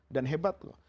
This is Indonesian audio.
dan hebat loh